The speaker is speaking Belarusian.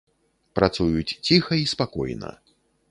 Працуюць ціха і спакойна.